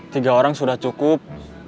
tiga orang sudah cukup